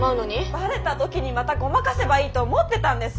ばれた時にまたごまかせばいいと思ってたんです！